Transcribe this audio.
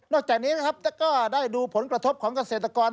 จากนี้นะครับก็ได้ดูผลกระทบของเกษตรกร